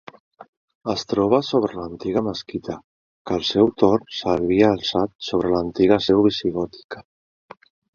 Es troba sobre l'antiga mesquita, que al seu torn s'havia alçat sobre l'antiga seu visigòtica.